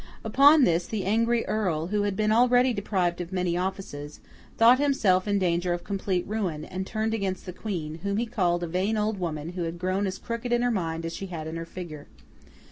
Upon this, the angry Earl, who had been already deprived of many offices, thought himself in danger of complete ruin, and turned against the Queen, whom he called a vain old woman who had grown as crooked in her mind as she had in her figure.